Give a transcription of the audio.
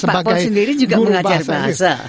pak prabowo sendiri juga mengajar bahasa